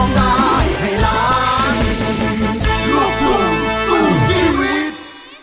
มูลค่าแปดหมื่นบาท